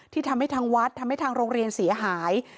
ทำให้ทางวัดทำให้ทางโรงเรียนเสียหาย